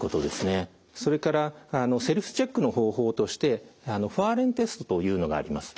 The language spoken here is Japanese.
それからセルフチェックの方法としてファーレンテストというのがあります。